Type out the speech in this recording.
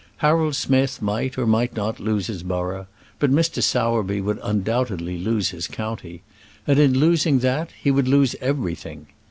Harold Smith might or might not lose his borough, but Mr. Sowerby would undoubtedly lose his county; and, in losing that, he would lose everything.